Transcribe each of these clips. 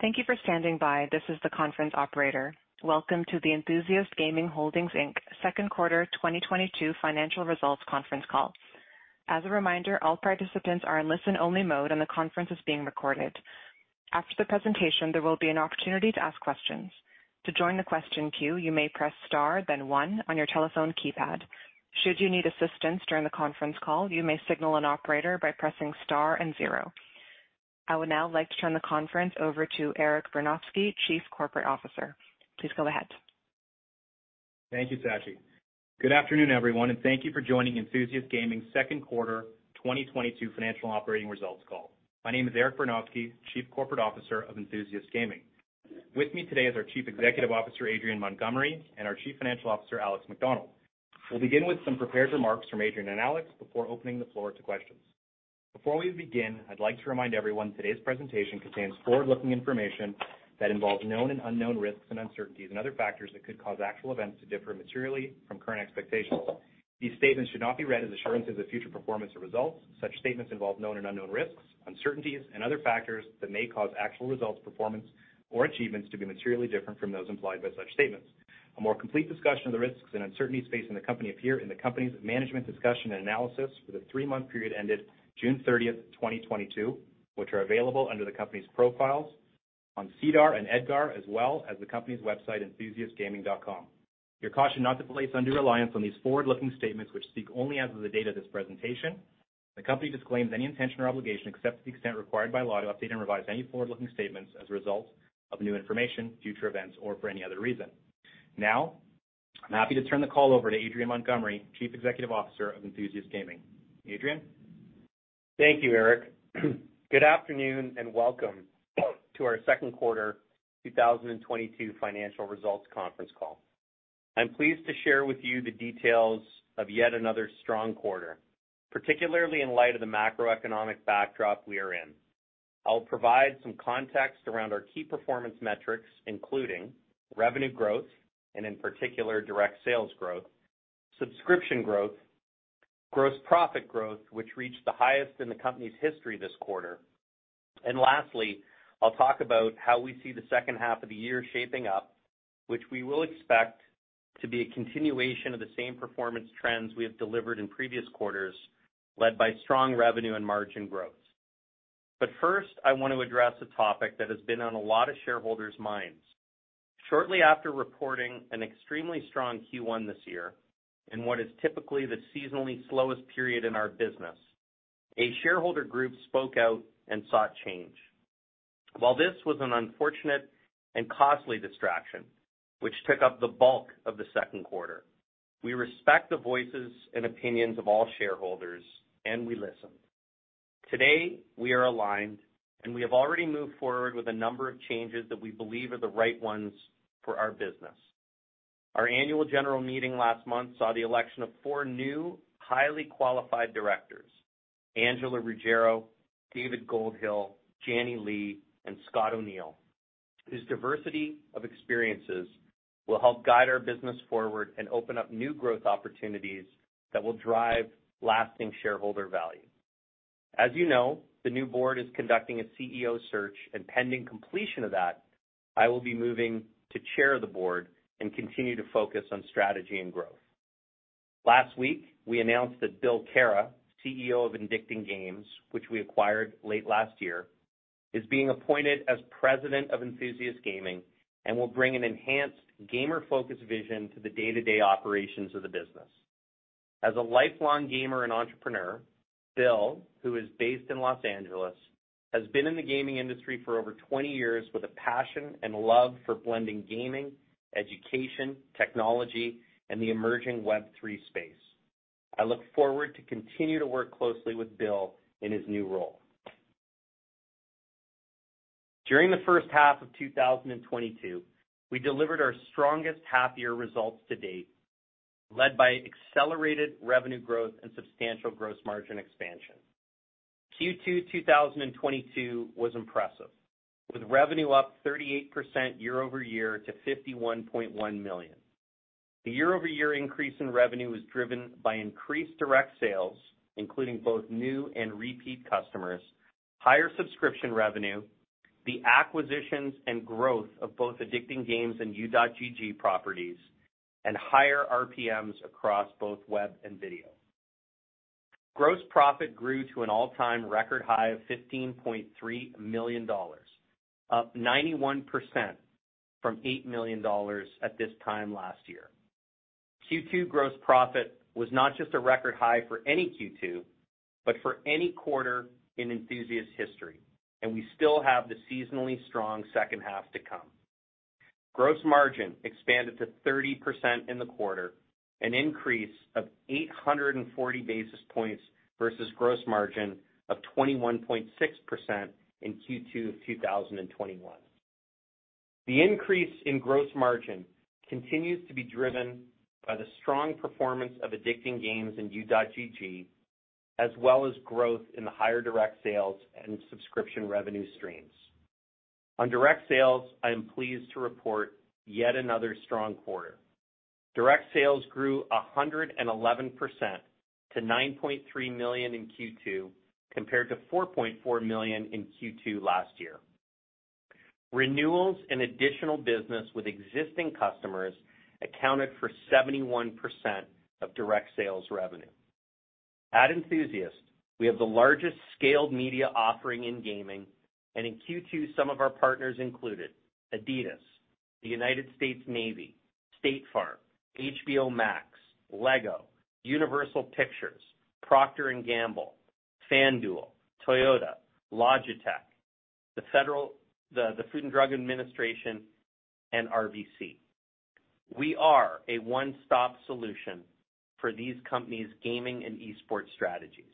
Thank you for standing by. This is the conference operator. Welcome to the Enthusiast Gaming Holdings Inc.'s Second Quarter 2022 Financial Results conference call. As a reminder, all participants are in listen-only mode, and the conference is being recorded. After the presentation, there will be an opportunity to ask questions. To join the question queue, you may press star then one on your telephone keypad. Should you need assistance during the conference call, you may signal an operator by pressing star and zero. I would now like to turn the conference over to Eric Bernofsky, Chief Corporate Officer. Please go ahead. Thank you, Sachi. Good afternoon, everyone, and thank you for joining Enthusiast Gaming's second quarter 2022 financial operating results call. My name is Eric Bernofsky, Chief Corporate Officer of Enthusiast Gaming. With me today is our Chief Executive Officer, Adrian Montgomery, and our Chief Financial Officer, Alex Macdonald. We'll begin with some prepared remarks from Adrian and Alex before opening the floor to questions. Before we begin, I'd like to remind everyone today's presentation contains forward-looking information that involves known and unknown risks and uncertainties and other factors that could cause actual events to differ materially from current expectations. These statements should not be read as assurances of future performance or results. Such statements involve known and unknown risks, uncertainties, and other factors that may cause actual results, performance, or achievements to be materially different from those implied by such statements. A more complete discussion of the risks and uncertainties facing the company appear in the company's management discussion and analysis for the three-month period ended June 30th, 2022, which are available under the company's profiles on SEDAR and EDGAR, as well as the company's website, enthusiastgaming.com. You're cautioned not to place undue reliance on these forward-looking statements which speak only as of the date of this presentation. The company disclaims any intention or obligation, except to the extent required by law, to update and revise any forward-looking statements as a result of new information, future events, or for any other reason. Now, I'm happy to turn the call over to Adrian Montgomery, Chief Executive Officer of Enthusiast Gaming. Adrian? Thank you, Eric. Good afternoon and Welcome to our Second Quarter 2022 Financial Results Conference Call. I'm pleased to share with you the details of yet another strong quarter, particularly in light of the macroeconomic backdrop we are in. I'll provide some context around our key performance metrics, including revenue growth, and in particular, direct sales growth, subscription growth, gross profit growth, which reached the highest in the company's history this quarter. Lastly, I'll talk about how we see the second half of the year shaping up, which we will expect to be a continuation of the same performance trends we have delivered in previous quarters, led by strong revenue and margin growth. First, I want to address a topic that has been on a lot of shareholders' minds. Shortly after reporting an extremely strong Q1 this year, in what is typically the seasonally slowest period in our business, a shareholder group spoke out and sought change. While this was an unfortunate and costly distraction which took up the bulk of the second quarter, we respect the voices and opinions of all shareholders, and we listened. Today, we are aligned, and we have already moved forward with a number of changes that we believe are the right ones for our business. Our annual general meeting last month saw the election of four new highly qualified directors, Angela Ruggiero, David Goldhill, Janny Lee, and Scott O'Neil, whose diversity of experiences will help guide our business forward and open up new growth opportunities that will drive lasting shareholder value. As you know, the new board is conducting a CEO search, and pending completion of that, I will be moving to chair the board and continue to focus on strategy and growth. Last week, we announced that Bill Karamouzis, CEO of Addicting Games, which we acquired late last year, is being appointed as President of Enthusiast Gaming and will bring an enhanced gamer-focused vision to the day-to-day operations of the business. As a lifelong gamer and entrepreneur, Bill Karamouzis, who is based in Los Angeles, has been in the gaming industry for over 20 years with a passion and love for blending gaming, education, technology, and the emerging Web3 space. I look forward to continue to work closely with Bill Karamouzis in his new role. During the first half of 2022, we delivered our strongest half-year results to date, led by accelerated revenue growth and substantial gross margin expansion. Q2 2022 was impressive, with revenue up 38% year-over-year to 51.1 million. The year-over-year increase in revenue was driven by increased direct sales, including both new and repeat customers, higher subscription revenue, the acquisitions and growth of both Addicting Games and U.GG properties, and higher RPMs across both web and video. Gross profit grew to an all-time record high of 15.3 million dollars, up 91% from 8 million dollars at this time last year. Q2 gross profit was not just a record high for any Q2, but for any quarter in Enthusiast history, and we still have the seasonally strong second half to come. Gross margin expanded to 30% in the quarter, an increase of 840 basis points versus gross margin of 21.6% in Q2 2021. The increase in gross margin continues to be driven by the strong performance of Addicting Games and U.GG, as well as growth in the higher direct sales and subscription revenue streams. On direct sales, I am pleased to report yet another strong quarter. Direct sales grew 111% to 9.3 million in Q2, compared to 4.4 million in Q2 last year. Renewals and additional business with existing customers accounted for 71% of direct sales revenue. At Enthusiast, we have the largest scaled media offering in gaming, and in Q2, some of our partners included Adidas, the United States Navy, State Farm, HBO Max, LEGO, Universal Pictures, Procter & Gamble, FanDuel, Toyota, Logitech, the Food and Drug Administration, and RBC. We are a one-stop solution for these companies' gaming and e-sports strategies.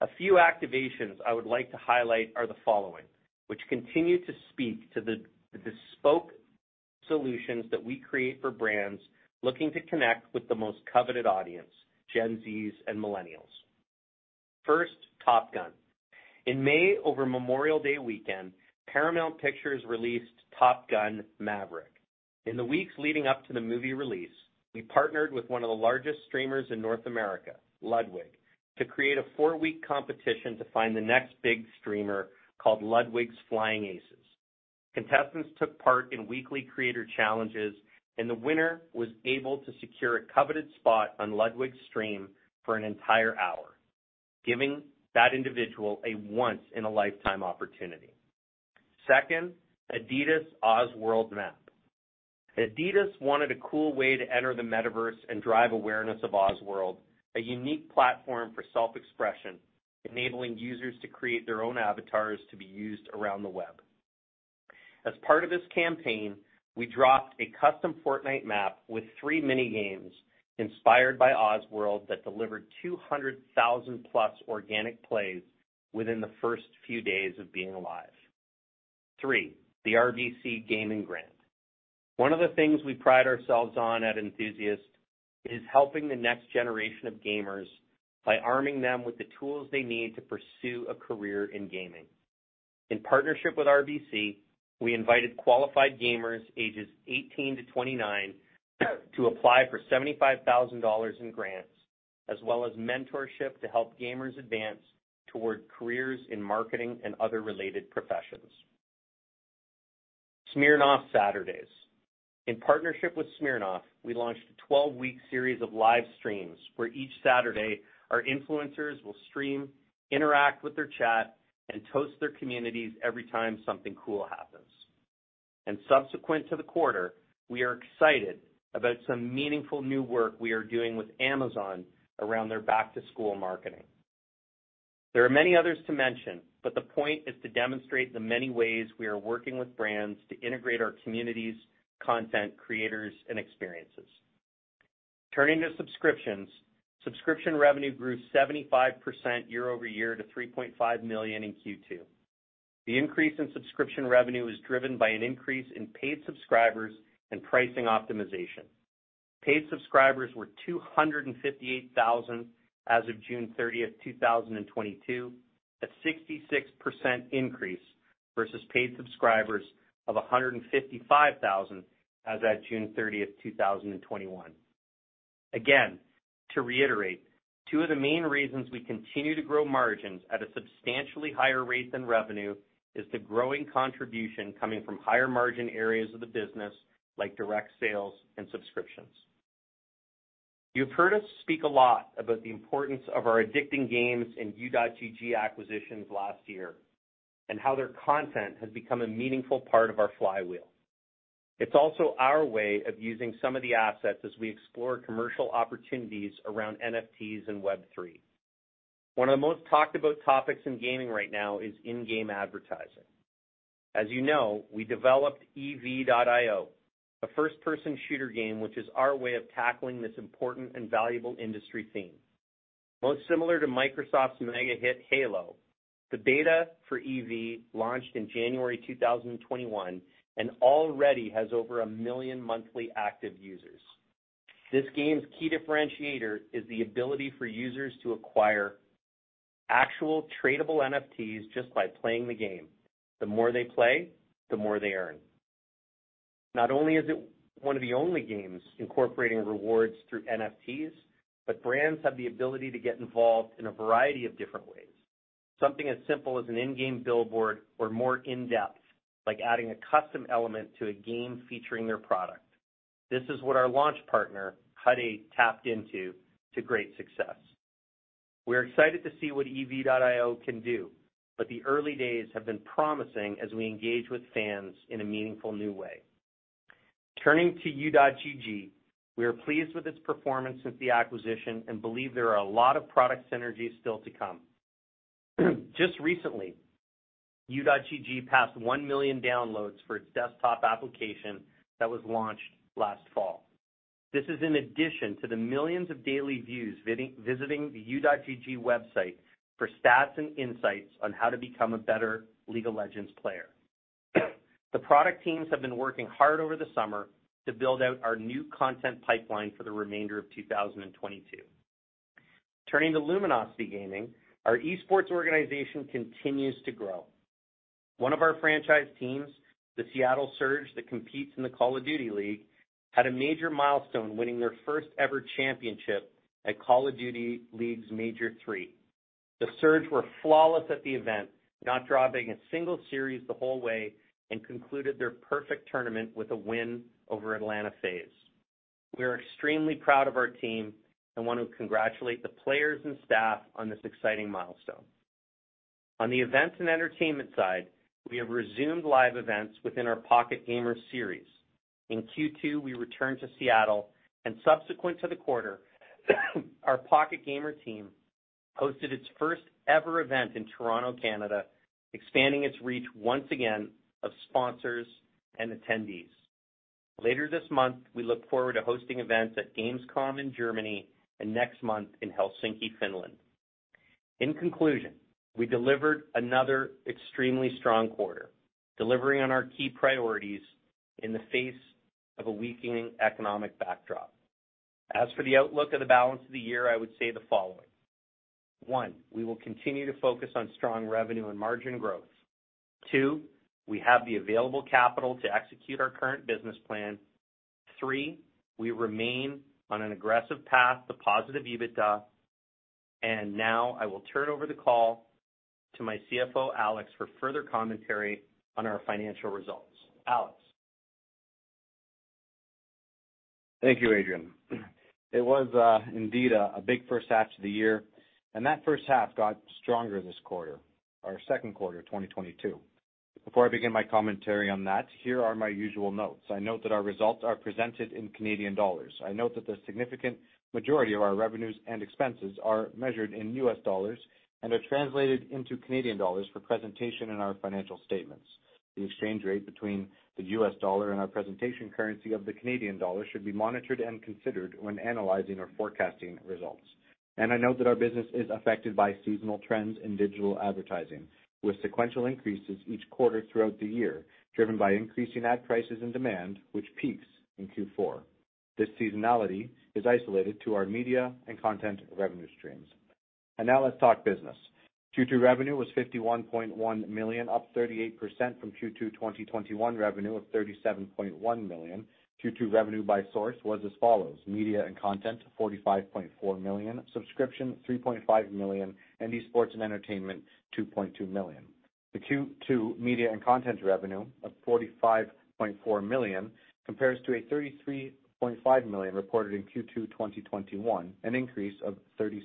A few activations I would like to highlight are the following, which continue to speak to the bespoke solutions that we create for brands looking to connect with the most coveted audience, Gen Zs and Millennials. First, Top Gun. In May, over Memorial Day weekend, Paramount Pictures released Top Gun: Maverick. In the weeks leading up to the movie release, we partnered with one of the largest streamers in North America, Ludwig, to create a four-week competition to find the next big streamer called Ludwig's Flying Aces. Contestants took part in weekly creator challenges, and the winner was able to secure a coveted spot on Ludwig's stream for an entire hour, giving that individual a once-in-a-lifetime opportunity. Second, Adidas Ozworld. Adidas wanted a cool way to enter the metaverse and drive awareness of Ozworld, a unique platform for self-expression, enabling users to create their own avatars to be used around the web. As part of this campaign, we dropped a custom Fortnite map with three mini-games inspired by Ozworld that delivered 200,000+ organic plays within the first few days of being live. Three, the RBC Gaming Grant. One of the things we pride ourselves on at Enthusiast is helping the next generation of gamers by arming them with the tools they need to pursue a career in gaming. In partnership with RBC, we invited qualified gamers ages 18 to 29 to apply for 75 thousand dollars in grants, as well as mentorship to help gamers advance toward careers in marketing and other related professions. Smirnoff Saturdays. In partnership with Smirnoff, we launched a 12-week series of live streams where each Saturday our influencers will stream, interact with their chat, and toast their communities every time something cool happens. Subsequent to the quarter, we are excited about some meaningful new work we are doing with Amazon around their back-to-school marketing. There are many others to mention, but the point is to demonstrate the many ways we are working with brands to integrate our communities, content, creators, and experiences. Turning to subscriptions. Subscription revenue grew 75% year-over-year to 3.5 million in Q2. The increase in subscription revenue was driven by an increase in paid subscribers and pricing optimization. Paid subscribers were 258,000 as of June 30th, 2022, a 66% increase versus paid subscribers of 155,000 as at June 30th, 2021. Again, to reiterate, two of the main reasons we continue to grow margins at a substantially higher rate than revenue is the growing contribution coming from higher-margin areas of the business, like direct sales and subscriptions. You've heard us speak a lot about the importance of our Addicting Games and U.GG acquisitions last year and how their content has become a meaningful part of our flywheel. It's also our way of using some of the assets as we explore commercial opportunities around NFTs and Web3. One of the most talked about topics in gaming right now is in-game advertising. As you know, we developed EV.IO, a first-person shooter game, which is our way of tackling this important and valuable industry theme. Most similar to Microsoft's mega hit Halo, the beta for EV launched in January 2021 and already has over 1 million monthly active users. This game's key differentiator is the ability for users to acquire actual tradable NFTs just by playing the game. The more they play, the more they earn. Not only is it one of the only games incorporating rewards through NFTs, but brands have the ability to get involved in a variety of different ways. Something as simple as an in-game billboard or more in-depth, like adding a custom element to a game featuring their product. This is what our launch partner, Hyundai, tapped into to great success. We're excited to see what EV.IO can do, but the early days have been promising as we engage with fans in a meaningful new way. Turning to U.GG, we are pleased with its performance since the acquisition and believe there are a lot of product synergies still to come. Just recently, U.GG passed 1 million downloads for its desktop application that was launched last fall. This is in addition to the millions of daily views visiting the U.GG website for stats and insights on how to become a better League of Legends player. The product teams have been working hard over the summer to build out our new content pipeline for the remainder of 2022. Turning to Luminosity Gaming, our esports organization continues to grow. One of our franchise teams, the Seattle Surge, that competes in the Call of Duty League, had a major milestone, winning their first ever championship at Call of Duty League's Major III. The Surge were flawless at the event, not dropping a single series the whole way, and concluded their perfect tournament with a win over Atlanta FaZe. We are extremely proud of our team and want to congratulate the players and staff on this exciting milestone. On the events and entertainment side, we have resumed live events within our Pocket Gamer series. In Q2, we returned to Seattle, and subsequent to the quarter, our Pocket Gamer team hosted its first ever event in Toronto, Canada, expanding its reach once again of sponsors and attendees. Later this month, we look forward to hosting events at Gamescom in Germany and next month in Helsinki, Finland. In conclusion, we delivered another extremely strong quarter, delivering on our key priorities in the face of a weakening economic backdrop. As for the outlook of the balance of the year, I would say the following. One, we will continue to focus on strong revenue and margin growth. Two, we have the available capital to execute our current business plan. Three, we remain on an aggressive path to positive EBITDA. Now I will turn over the call to my CFO, Alex, for further commentary on our financial results. Alex? Thank you, Adrian. It was indeed a big first half to the year, and that first half got stronger this quarter, our second quarter of 2022. Before I begin my commentary on that, here are my usual notes. I note that our results are presented in Canadian dollars. I note that the significant majority of our revenues and expenses are measured in US dollars and are translated into Canadian dollars for presentation in our financial statements. The exchange rate between the U.S. dollar and our presentation currency of the Canadian dollar should be monitored and considered when analyzing or forecasting results. I note that our business is affected by seasonal trends in digital advertising, with sequential increases each quarter throughout the year, driven by increasing ad prices and demand, which peaks in Q4. This seasonality is isolated to our media and content revenue streams. Now let's talk business. Q2 revenue was 51.1 million, up 38% from Q2 2021 revenue of 37.1 million. Q2 revenue by source was as follows. Media and content, 45.4 million, subscription, 3.5 million, and esports and entertainment, 2.2 million. The Q2 media and content revenue of 45.4 million compares to 33.5 million reported in Q2 2021, an increase of 36%.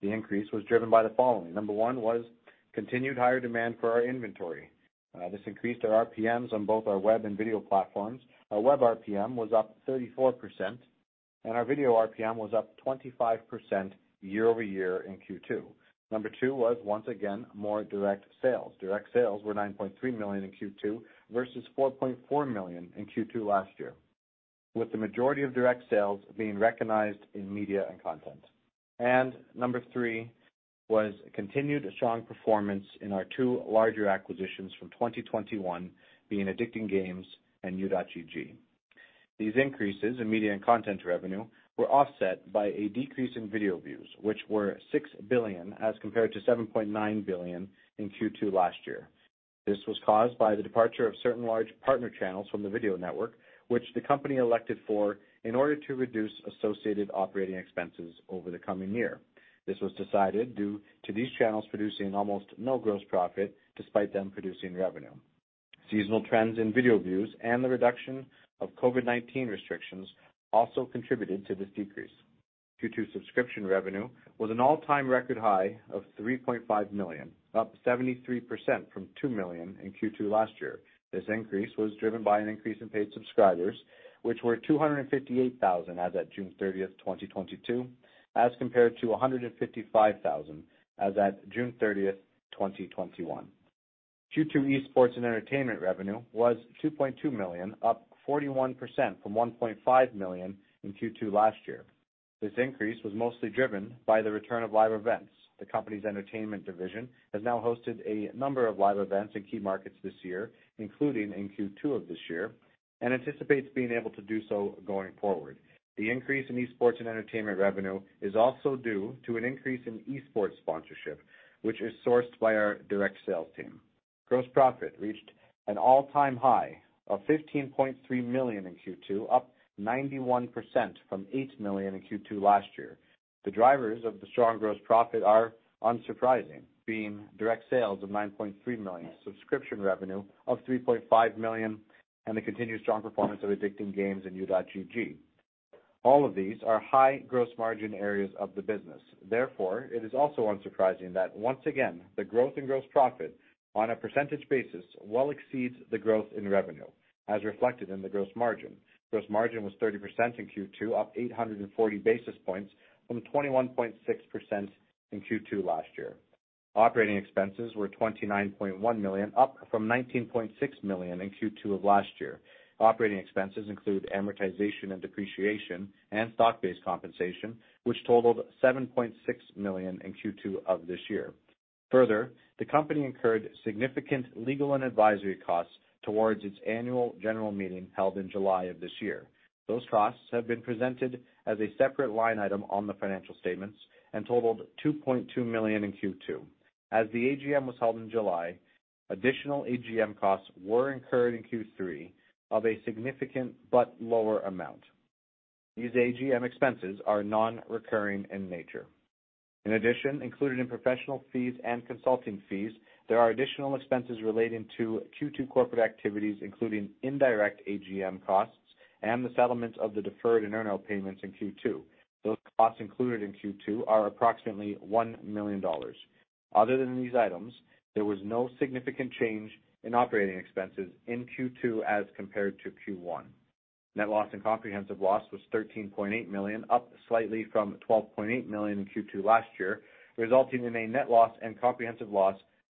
The increase was driven by the following. Number one was continued higher demand for our inventory. This increased our RPMs on both our web and video platforms. Our web RPM was up 34%, and our video RPM was up 25% year-over-year in Q2. Number two was, once again, more direct sales. Direct sales were 9.3 million in Q2 versus 4.4 million in Q2 last year, with the majority of direct sales being recognized in media and content. Number three was continued strong performance in our two larger acquisitions from 2021 being Addicting Games and U.GG. These increases in media and content revenue were offset by a decrease in video views, which were 6 billion as compared to 7.9 billion in Q2 last year. This was caused by the departure of certain large partner channels from the video network, which the company elected for in order to reduce associated operating expenses over the coming year. This was decided due to these channels producing almost no gross profit despite them producing revenue. Seasonal trends in video views and the reduction of COVID-19 restrictions also contributed to this decrease. Q2 subscription revenue was an all-time record high of 3.5 million, up 73% from 2 million in Q2 last year. This increase was driven by an increase in paid subscribers, which were 258,000 as at June 30th, 2022, as compared to 155,000 as at June 30th, 2021. Q2 esports and entertainment revenue was 2.2 million, up 41% from 1.5 million in Q2 last year. This increase was mostly driven by the return of live events. The company's entertainment division has now hosted a number of live events in key markets this year, including in Q2 of this year, and anticipates being able to do so going forward. The increase in esports and entertainment revenue is also due to an increase in esports sponsorship, which is sourced by our direct sales team. Gross profit reached an all-time high of 15.3 million in Q2, up 91% from 8 million in Q2 last year. The drivers of the strong gross profit are unsurprising, being direct sales of 9.3 million, subscription revenue of 3.5 million, and the continued strong performance of Addicting Games and U.GG. All of these are high gross margin areas of the business. Therefore, it is also unsurprising that once again, the growth in gross profit on a percentage basis well exceeds the growth in revenue, as reflected in the gross margin. Gross margin was 30% in Q2, up 840 basis points from 21.6% in Q2 last year. Operating expenses were 29.1 million, up from 19.6 million in Q2 of last year. Operating expenses include amortization and depreciation and stock-based compensation, which totaled 7.6 million in Q2 of this year. Further, the company incurred significant legal and advisory costs towards its annual general meeting held in July of this year. Those costs have been presented as a separate line item on the financial statements and totaled 2.2 million in Q2. As the AGM was held in July, additional AGM costs were incurred in Q3 of a significant but lower amount. These AGM expenses are non-recurring in nature. In addition, included in professional fees and consulting fees, there are additional expenses relating to Q2 corporate activities, including indirect AGM costs and the settlement of the deferred and earn-out payments in Q2. Those costs included in Q2 are approximately 1 million dollars. Other than these items, there was no significant change in operating expenses in Q2 as compared to Q1. Net loss and comprehensive loss was 13.8 million, up slightly from 12.8 million in Q2 last year, resulting in a net loss and comprehensive loss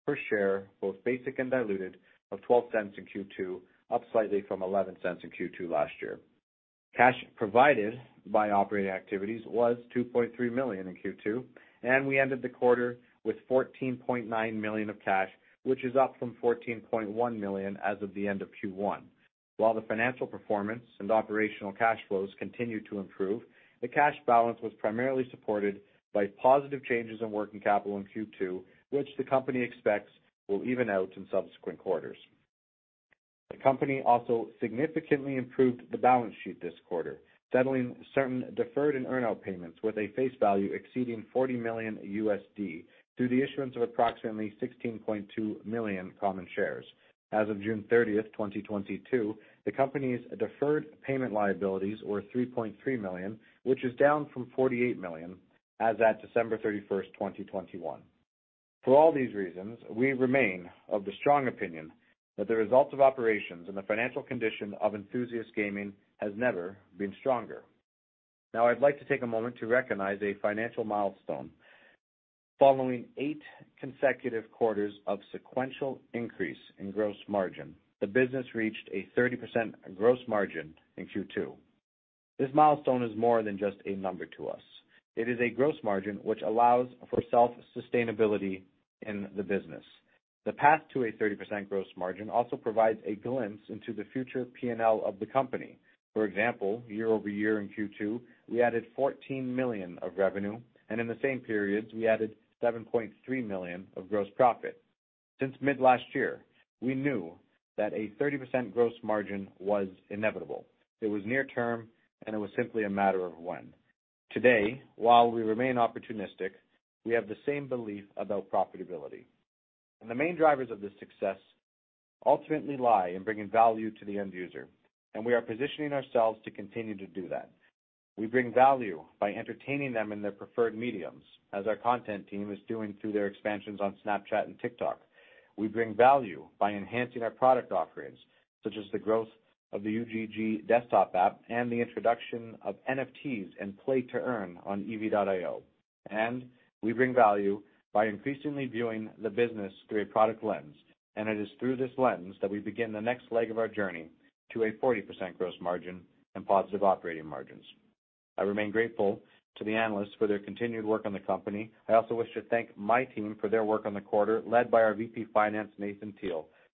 per share, both basic and diluted, of 0.12 in Q2, up slightly from 0.11 in Q2 last year. Cash provided by operating activities was 2.3 million in Q2, and we ended the quarter with 14.9 million of cash, which is up from 14.1 million as of the end of Q1. While the financial performance and operational cash flows continued to improve, the cash balance was primarily supported by positive changes in working capital in Q2, which the company expects will even out in subsequent quarters. The company also significantly improved the balance sheet this quarter, settling certain deferred and earn-out payments with a face value exceeding $40 million through the issuance of approximately 16.2 million common shares. As of June 30th, 2022, the company's deferred payment liabilities were 3.3 million, which is down from 48 million as at December 31st, 2021. For all these reasons, we remain of the strong opinion that the results of operations and the financial condition of Enthusiast Gaming has never been stronger. Now I'd like to take a moment to recognize a financial milestone. Following 8 consecutive quarters of sequential increase in gross margin, the business reached a 30% gross margin in Q2. This milestone is more than just a number to us. It is a gross margin which allows for self-sustainability in the business. The path to a 30% gross margin also provides a glimpse into the future PNL of the company. For example, year-over-year in Q2, we added 14 million of revenue, and in the same periods, we added 7.3 million of gross profit. Since mid last year, we knew that a 30% gross margin was inevitable. It was near term, and it was simply a matter of when. Today, while we remain opportunistic, we have the same belief about profitability. The main drivers of this success ultimately lie in bringing value to the end user, and we are positioning ourselves to continue to do that. We bring value by entertaining them in their preferred mediums, as our content team is doing through their expansions on Snapchat and TikTok. We bring value by enhancing our product offerings, such as the growth of the U.GG desktop app and the introduction of NFTs and play to earn on EV.IO. We bring value by increasingly viewing the business through a product lens, and it is through this lens that we begin the next leg of our journey to a 40% gross margin and positive operating margins. I remain grateful to the analysts for their continued work on the company. I also wish to thank my team for their work on the quarter, led by our VP Finance, Nathan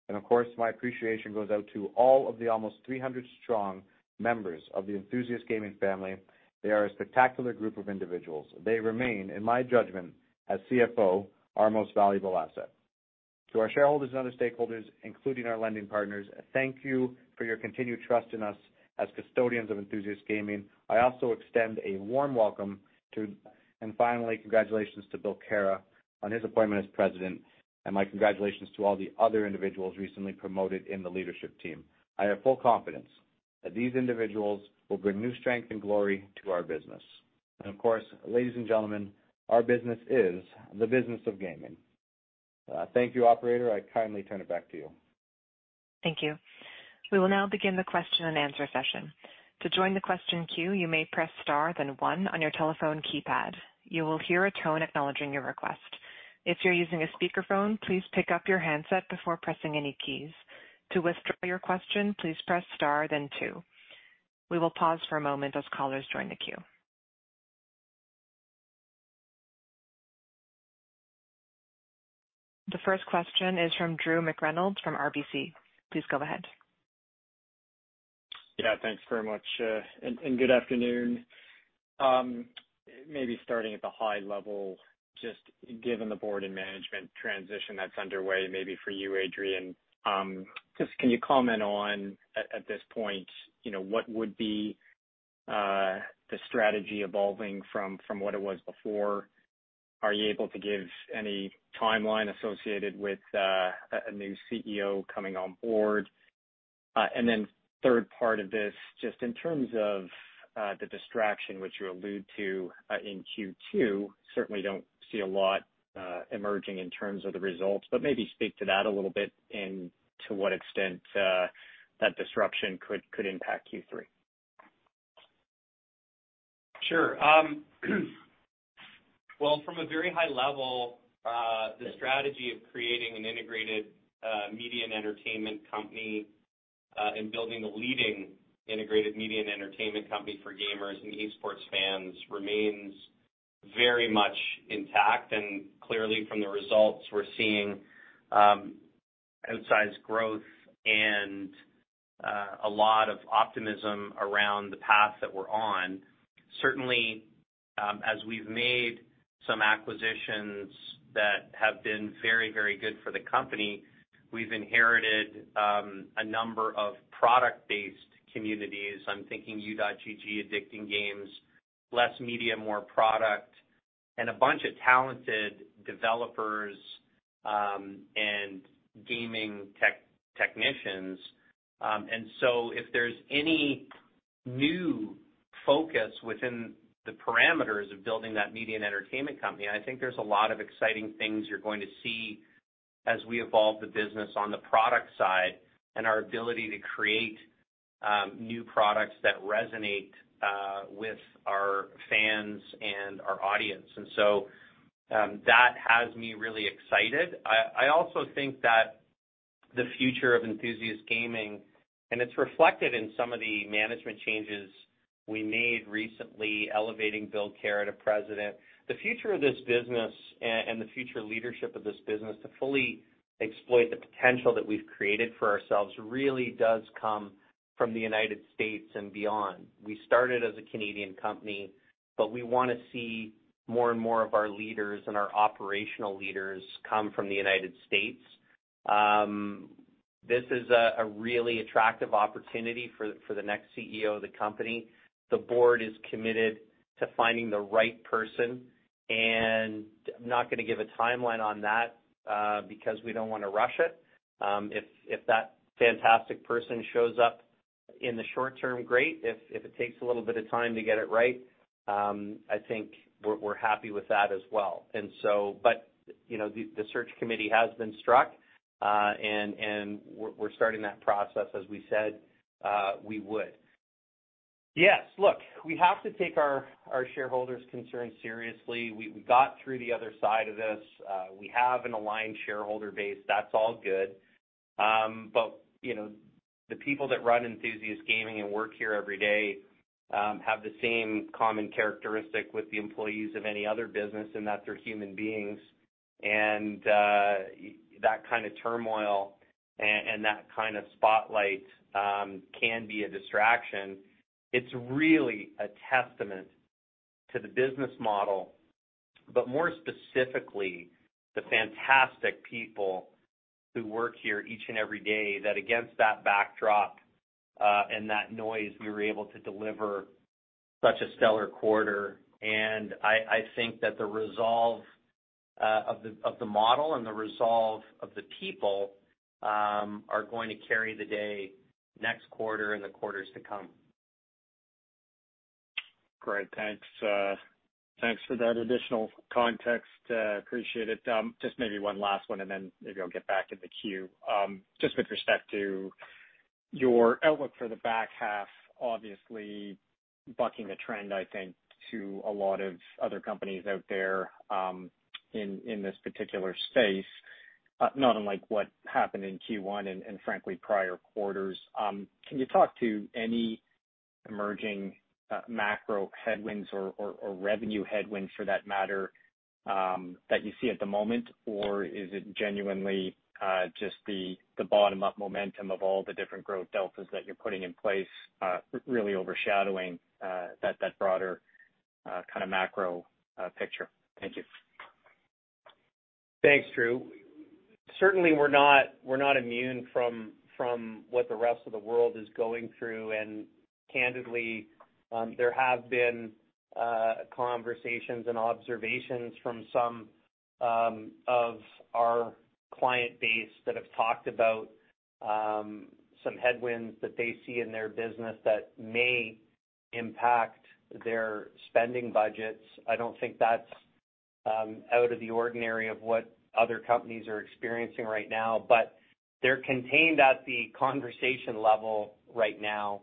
Teal. Of course, my appreciation goes out to all of the almost 300 strong members of the Enthusiast Gaming family. They are a spectacular group of individuals. They remain, in my judgment as CFO, our most valuable asset. To our shareholders and other stakeholders, including our lending partners, thank you for your continued trust in us as custodians of Enthusiast Gaming. I also extend a warm welcome and finally, congratulations to Bill Karamouzis on his appointment as President, and my congratulations to all the other individuals recently promoted in the leadership team. I have full confidence that these individuals will bring new strength and glory to our business. Of course, ladies and gentlemen, our business is the business of gaming. Thank you, operator. I kindly turn it back to you. Thank you. We will now begin the question and answer session. To join the question queue, you may press star, then one on your telephone keypad. You will hear a tone acknowledging your request. If you're using a speakerphone, please pick up your handset before pressing any keys. To withdraw your question, please press star then two. We will pause for a moment as callers join the queue. The first question is from Drew McReynolds from RBC. Please go ahead. Yeah, thanks very much, and good afternoon. Maybe starting at the high level, just given the board and management transition that's underway, maybe for you, Adrian, just can you comment on at this point, you know, what would be the strategy evolving from what it was before? Are you able to give any timeline associated with a new CEO coming on board? Third part of this, just in terms of the distraction which you allude to in Q2, certainly don't see a lot emerging in terms of the results, but maybe speak to that a little bit and to what extent that disruption could impact Q3. Sure. Well, from a very high level, the strategy of creating an Integrated, Media and Entertainment company. In building a leading integrated media and entertainment company for gamers and esports fans remains very much intact. Clearly, from the results we're seeing, outsized growth and a lot of optimism around the path that we're on. Certainly, as we've made some acquisitions that have been very, very good for the company, we've inherited a number of product-based communities. I'm thinking U.GG, Addicting Games, less media, more product, and a bunch of talented developers and gaming technicians. If there's any new focus within the parameters of building that media and entertainment company, I think there's a lot of exciting things you're going to see as we evolve the business on the product side and our ability to create new products that resonate with our fans and our audience. That has me really excited. I also think that the future of Enthusiast Gaming, and it's reflected in some of the management changes we made recently, elevating Bill Karamouzis to President. The future of this business and the future leadership of this business to fully exploit the potential that we've created for ourselves really does come from the United States and beyond. We started as a Canadian company, but we wanna see more and more of our leaders and our operational leaders come from the United States. This is a really attractive opportunity for the next CEO of the company. The board is committed to finding the right person, and I'm not gonna give a timeline on that, because we don't wanna rush it. If that fantastic person shows up in the short term, great. If it takes a little bit of time to get it right, I think we're happy with that as well. You know, the search committee has been struck, and we're starting that process as we said we would. Yes. Look, we have to take our shareholders' concerns seriously. We got through the other side of this. We have an aligned shareholder base. That's all good. You know, the people that run Enthusiast Gaming and work here every day have the same common characteristic with the employees of any other business, and that they're human beings. That kind of turmoil and that kind of spotlight can be a distraction. It's really a testament to the business model, but more specifically, the fantastic people who work here each and every day, that against that backdrop, and that noise, we were able to deliver such a stellar quarter. I think that the resolve of the model and the resolve of the people are going to carry the day next quarter and the quarters to come. Great. Thanks. Thanks for that additional context. Appreciate it. Just maybe one last one, and then maybe I'll get back in the queue. Just with respect to your outlook for the back half, obviously bucking a trend, I think, to a lot of other companies out there, in this particular space, not unlike what happened in Q1 and frankly, prior quarters. Can you talk to any emerging macro headwinds or revenue headwinds for that matter, that you see at the moment? Or is it genuinely just the bottom-up momentum of all the different growth deltas that you're putting in place, really overshadowing that broader kinda macro picture? Thank you. Thanks, Drew. Certainly, we're not immune from what the rest of the world is going through. Candidly, there have been conversations and observations from some of our client base that have talked about some headwinds that they see in their business that may impact their spending budgets. I don't think that's out of the ordinary of what other companies are experiencing right now. They're contained at the conversation level right now.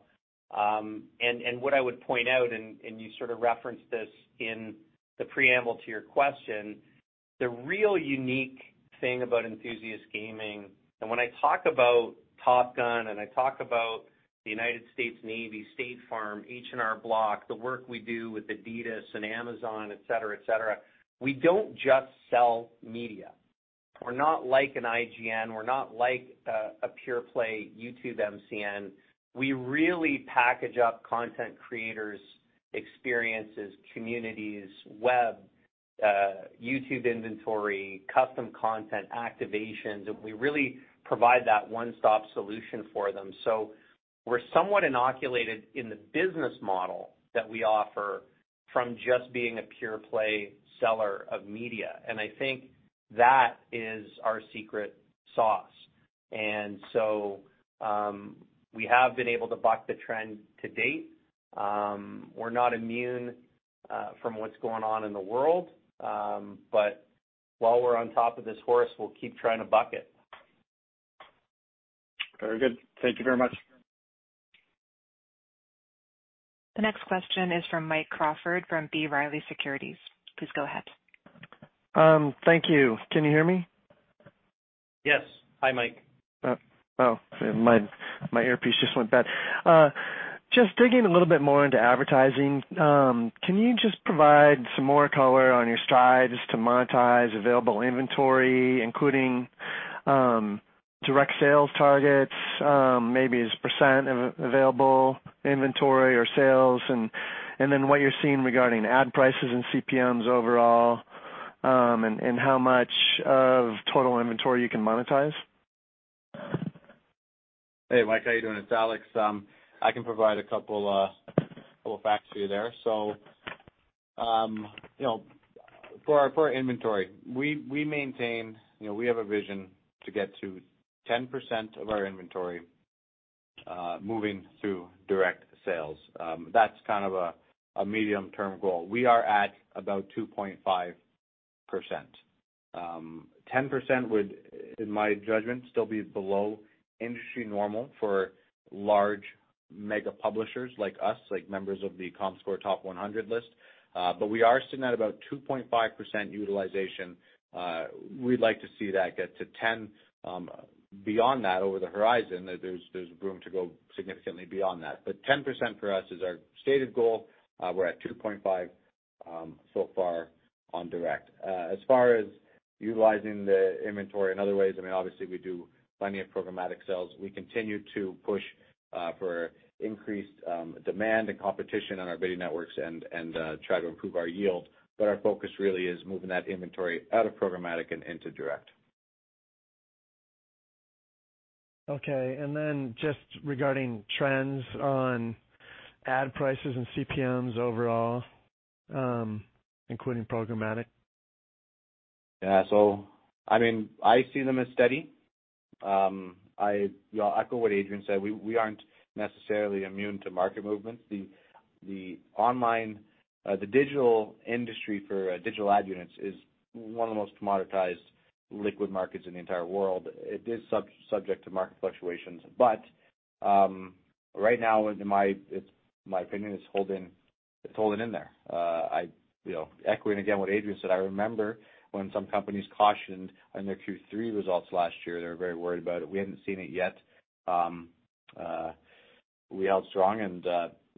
What I would point out, you sort of referenced this in the preamble to your question, the real unique thing about Enthusiast Gaming, and when I talk about Top Gun and I talk about the United States Navy, State Farm, H&R Block, the work we do with Adidas and Amazon, et cetera, et cetera, we don't just sell media. We're not like an IGN, we're not like a pure play YouTube MCN. We really package up content creators' experiences, communities, web, YouTube inventory, custom content, activations, and we really provide that one-stop solution for them. We're somewhat inoculated in the business model that we offer from just being a pure play seller of media. I think that is our secret sauce. We have been able to buck the trend to date. We're not immune from what's going on in the world. While we're on top of this horse, we'll keep trying to buck it. Very good. Thank you very much. The next question is from Mike Crawford from B. Riley Securities. Please go ahead. Thank you. Can you hear me? Yes. Hi, Mike. Oh, my earpiece just went bad. Just digging a little bit more into advertising, can you just provide some more color on your strides to monetize available inventory, including direct sales targets, maybe as percent of available inventory or sales? Then what you're seeing regarding ad prices and CPMs overall, and how much of total inventory you can monetize. Hey, Mike, how you doing? It's Alex. I can provide a couple facts for you there. You know, for our ad inventory, we maintain, you know, we have a vision to get to 10% of our inventory moving through direct sales. That's kind of a medium-term goal. We are at about 2.5%. 10% would, in my judgment, still be below industry normal for large mega publishers like us, like members of the Comscore top 100 list. We are sitting at about 2.5% utilization. We'd like to see that get to 10%. Beyond that, over the horizon, there's room to go significantly beyond that. 10% for us is our stated goal. We're at 2.5%, so far on direct. As far as utilizing the inventory in other ways, I mean, obviously we do plenty of programmatic sales. We continue to push for increased demand and competition on our bidding networks and try to improve our yield. Our focus really is moving that inventory out of programmatic and into direct. Just regarding trends on ad prices and CPMs overall, including programmatic. Yeah. I mean, I see them as steady. I know, echo what Adrian said. We aren't necessarily immune to market movements. The digital industry for digital ad units is one of the most commoditized liquid markets in the entire world. It is subject to market fluctuations. Right now, in my opinion, it's holding in there. I know, echoing again what Adrian said, I remember when some companies cautioned on their Q3 results last year, they were very worried about it. We hadn't seen it yet. We held strong, and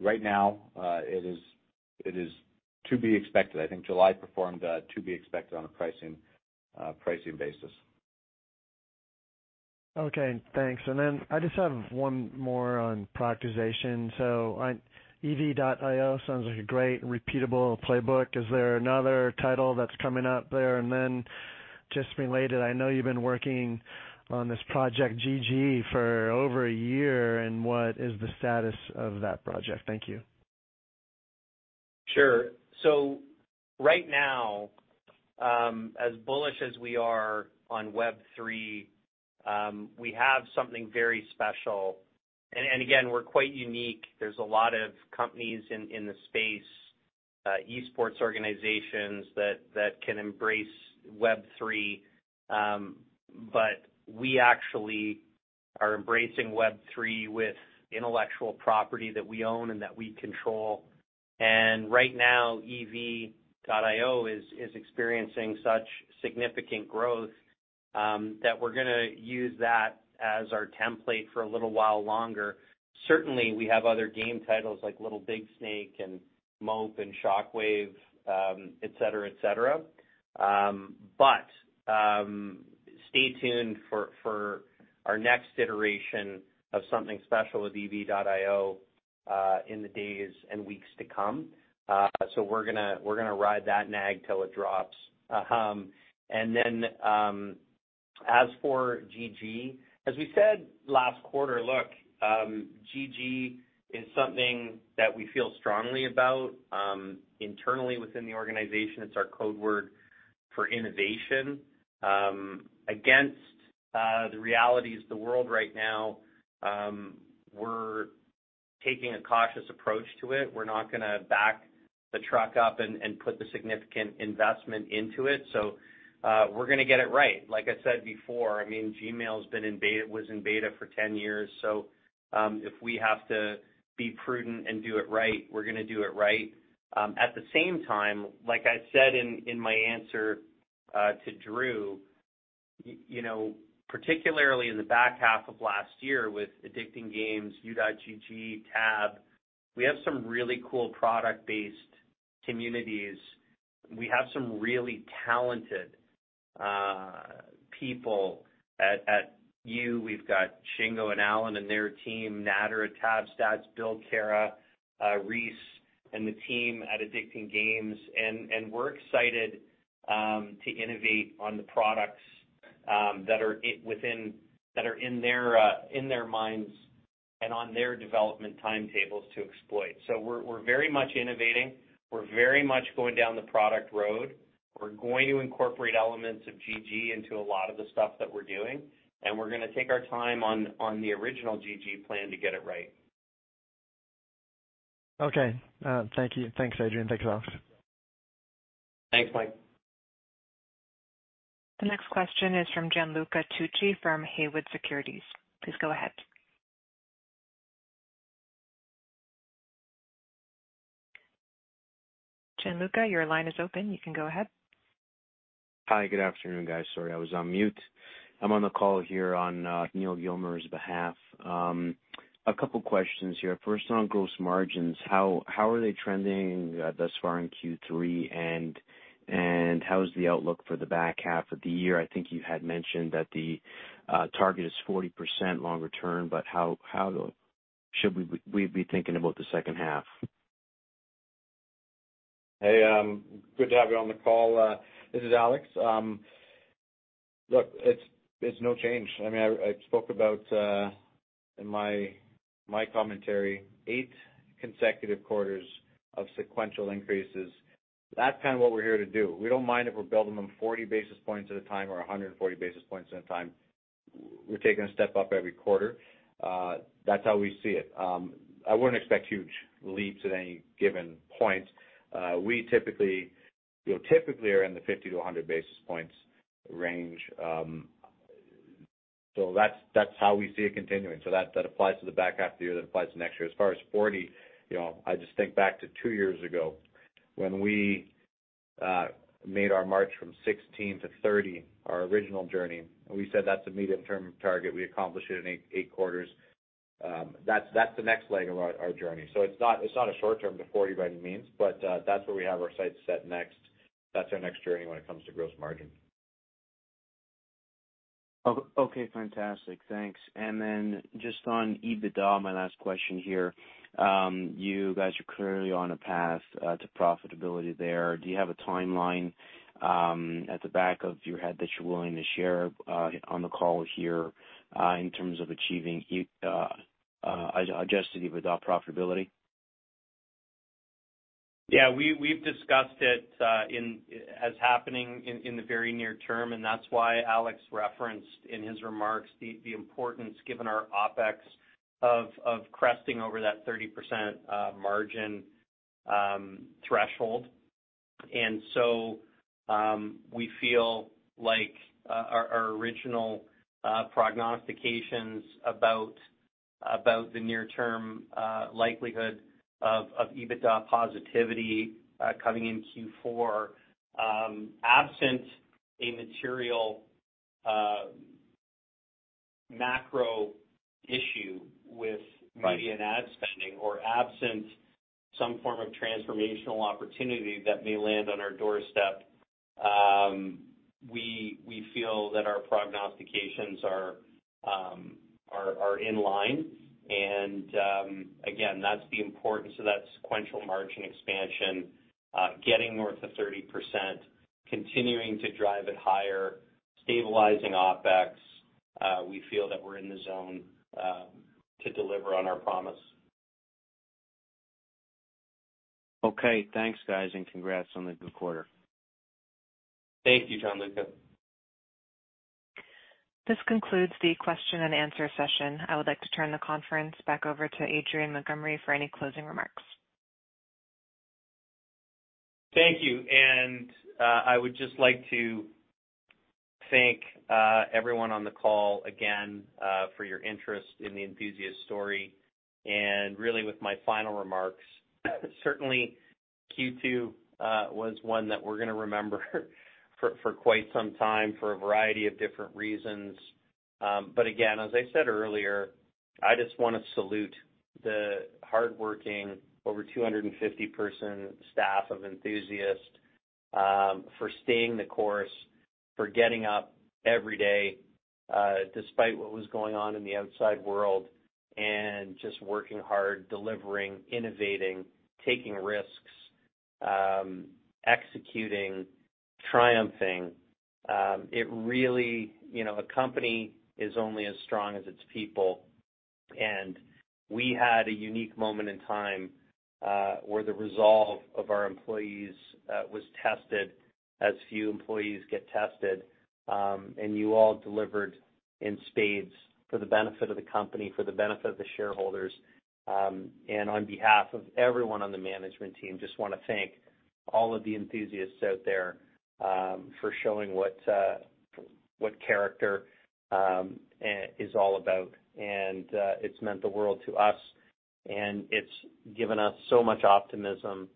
right now, it is to be expected. I think July performed to be expected on a pricing basis. Okay, thanks. Then I just have one more on productization. On EV.IO sounds like a great repeatable playbook. Is there another title that's coming up there? Then just related, I know you've been working on this Project GG for over a year, and what is the status of that project? Thank you. Sure. Right now, as bullish as we are on Web3, we have something very special. Again, we're quite unique. There's a lot of companies in the space, esports organizations that can embrace Web3. We actually are embracing Web3 with intellectual property that we own and that we control. Right now, EV.IO is experiencing such significant growth that we're gonna use that as our template for a little while longer. Certainly we have other game titles like Little Big Snake and Mope and Shockwave, et cetera. Stay tuned for our next iteration of something special with EV.IO in the days and weeks to come. We're gonna ride that wave till it drops. As for GG, as we said last quarter, look, GG is something that we feel strongly about internally within the organization. It's our code word for innovation. Against the realities of the world right now, we're taking a cautious approach to it. We're not gonna back the truck up and put the significant investment into it, so we're gonna get it right. Like I said before, I mean, Gmail was in beta for 10 years, so if we have to be prudent and do it right, we're gonna do it right. At the same time, like I said in my answer to Drew, you know, particularly in the back half of last year with Addicting Games, U.GG, Tab, we have some really cool product-based communities. We have some really talented people at U.GG. We've got Shingo and Alan and their team, Natter at TabStats, Bill Kara, Reese and the team at Addicting Games. We're excited to innovate on the products that are in their minds and on their development timetables to exploit. We're very much innovating. We're very much going down the product road. We're going to incorporate elements of GG into a lot of the stuff that we're doing, and we're gonna take our time on the original GG plan to get it right. Okay. Thank you. Thanks, Adrian. Thanks, Alex. Thanks, Mike. The next question is from Gianluca Tucci from Haywood Securities. Please go ahead. Gianluca, your line is open. You can go ahead. Hi, good afternoon, guys. Sorry, I was on mute. I'm on the call here on Neal Gilmer's behalf. A couple questions here. First, on gross margins, how are they trending thus far in Q3? How is the outlook for the back half of the year? I think you had mentioned that the target is 40% longer term, but how should we be thinking about the second half? Hey, good to have you on the call. This is Alex. Look, it's no change. I mean, I spoke about in my commentary eight consecutive quarters of sequential increases. That's kind of what we're here to do. We don't mind if we're building them 40 basis points at a time or 140 basis points at a time. We're taking a step up every quarter. That's how we see it. I wouldn't expect huge leaps at any given point. We typically, you know, are in the 50-100 basis points range. So that's how we see it continuing. That applies to the back half of the year, that applies to next year. As far as 40%, you know, I just think back to two years ago when we made our march from 16%-30%, our original journey, and we said that's a medium-term target. We accomplished it in eight quarters. That's the next leg of our journey. It's not a short-term to 40% by any means, but that's where we have our sights set next. That's our next journey when it comes to gross margin. Okay, fantastic. Thanks. Just on EBITDA, my last question here. You guys are clearly on a path to profitability there. Do you have a timeline at the back of your head that you're willing to share on the call here in terms of achieving Adjusted EBITDA profitability? Yeah. We've discussed it as happening in the very near term, and that's why Alex referenced in his remarks the importance given our OpEx of cresting over that 30% margin threshold. We feel like our original prognostications about the near term likelihood of EBITDA positivity coming in Q4, absent a material macro issue with media and ad spending or absent some form of transformational opportunity that may land on our doorstep. We feel that our prognostications are in line. Again, that's the importance of that sequential margin expansion, getting north of 30%, continuing to drive it higher, stabilizing OpEx. We feel that we're in the zone to deliver on our promise. Okay. Thanks, guys, and congrats on the good quarter. Thank you, Gianluca. This concludes the question and answer session. I would like to turn the conference back over to Adrian Montgomery for any closing remarks. Thank you. I would just like to thank everyone on the call again for your interest in the Enthusiast story. Really with my final remarks, certainly Q2 was one that we're gonna remember for quite some time for a variety of different reasons. Again, as I said earlier, I just wanna salute the hardworking over 250 person staff of Enthusiast for staying the course, for getting up every day despite what was going on in the outside world and just working hard, delivering, innovating, taking risks, executing, triumphing. You know, a company is only as strong as its people, and we had a unique moment in time where the resolve of our employees was tested as few employees get tested. You all delivered in spades for the benefit of the company, for the benefit of the shareholders. On behalf of everyone on the management team, just wanna thank all of the Enthusiasts out there, for showing what character is all about. It's meant the world to us, and it's given us so much optimism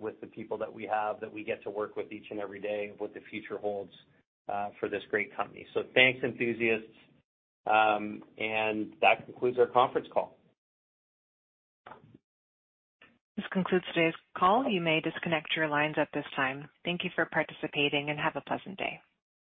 with the people that we have, that we get to work with each and every day, what the future holds for this great company. Thanks, Enthusiasts. That concludes our conference call. This concludes today's call. You may disconnect your lines at this time. Thank you for participating, and have a pleasant day.